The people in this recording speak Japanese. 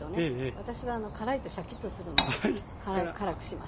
私は辛いとシャキッとするので辛くします。